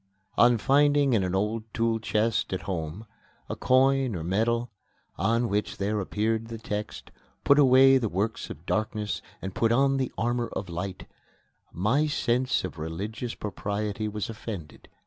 On finding in an old tool chest at home a coin or medal, on which there appeared the text, "Put away the works of darkness and put on the armour of light," my sense of religious propriety was offended.